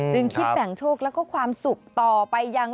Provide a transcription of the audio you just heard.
จึงคิดแบ่งโชคแล้วก็ความสุขต่อไปยัง